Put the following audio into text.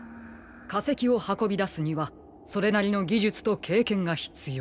かせきをはこびだすにはそれなりのぎじゅつとけいけんがひつよう。